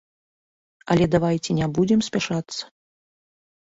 Але давайце не будзем спяшацца.